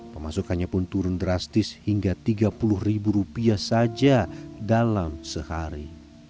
pemasukannya pun turun drastis hingga tiga puluh ribu rupiah saja dalam sehari